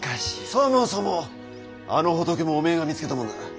そもそもあの仏もおめえが見つけたもんだ。